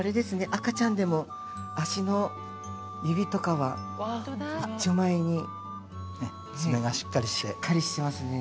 赤ちゃんでも脚の指とかは一丁前にええ爪がしっかりしてしっかりしてますね